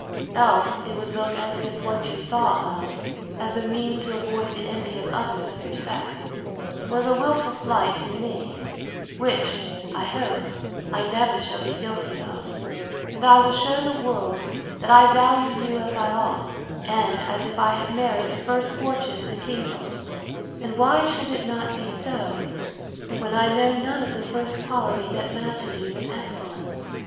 Else it would look as if what you thought of, as a means to avoid the envy of others of your sex, was a wilful slight in me, which, I hope, I never shall be guilty of; and I will shew the world, that I value you as I ought, and as if I had married the first fortune in the kingdom: And why should it not be so, when I know none of the first quality that matches you in excellence?